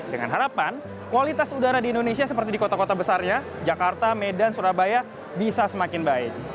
dengan harapan kualitas udara di indonesia seperti di kota kota besarnya jakarta medan surabaya bisa semakin baik